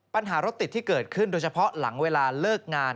ปัญหารถติดที่เกิดขึ้นโดยเฉพาะหลังเวลาเลิกงาน